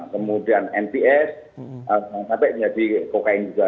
kemudian nps jangan sampai menjadi cocaing juga